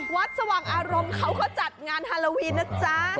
สว่างอารมณ์เขาก็จัดงานฮาโลวีนนะจ๊ะ